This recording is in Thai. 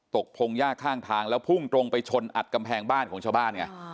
พงหญ้าข้างทางแล้วพุ่งตรงไปชนอัดกำแพงบ้านของชาวบ้านไง